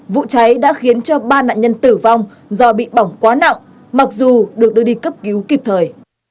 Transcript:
vụ cháy đã khiến cho ba nạn nhân tử vong do bị bỏng quá nặng mặc dù được đưa đi cấp cứu kịp thời